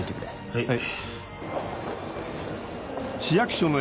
はい。